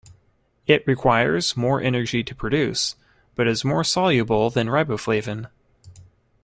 It requires more energy to produce, but is more soluble than riboflavin.